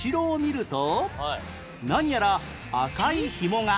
何やら赤いひもが